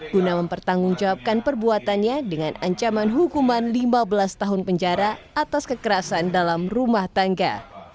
guna mempertanggungjawabkan perbuatannya dengan ancaman hukuman lima belas tahun penjara atas kekerasan dalam rumah tangga